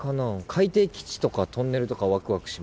海底基地とかトンネルとかわくわくします。